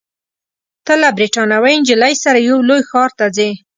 ته له بریتانوۍ نجلۍ سره یو لوی ښار ته ځې.